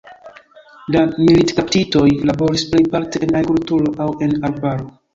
La militkaptitoj laboris plejparte en agrikltro aŭ en arbaro.